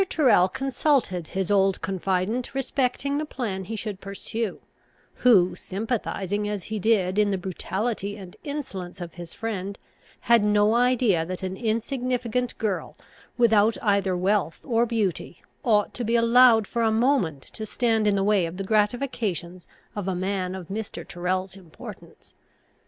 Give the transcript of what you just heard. Tyrrel consulted his old confident respecting the plan he should pursue; who, sympathising as he did in the brutality and insolence of his friend, had no idea that an insignificant girl, without either wealth or beauty, ought to be allowed for a moment to stand in the way of the gratifications of a man of Mr. Tyrrel's importance.